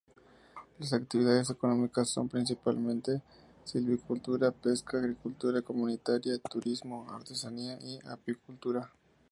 Las actividades económicas son principalmente silvicultura, pesca, agricultura comunitaria, turismo, artesanía y apicultura.